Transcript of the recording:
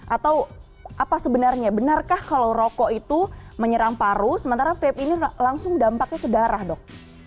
atau apa sebenarnya benarkah kalau rokok itu menyerang paru sementara vape ini langsung dampaknya ke darah dok